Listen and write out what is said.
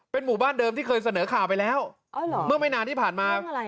หมู่บ้านเดิมที่เคยเสนอข่าวไปแล้วเมื่อไม่นานที่ผ่านมา